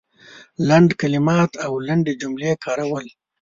لنډ کلمات او لنډې جملې کارول